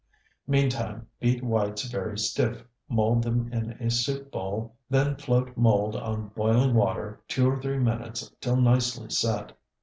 Meantime beat whites very stiff, mold them in a soup bowl, then float mold on boiling water two or three minutes till nicely set.